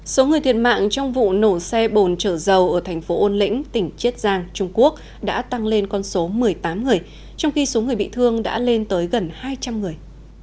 số người thiệt mạng trong vụ nổ xe bồn trở dầu ở thành phố âu lĩnh tỉnh chiết giang trung quốc đã tăng lên con số một mươi tám người trong khi số người bị thương đã lên tới gần hai trăm linh người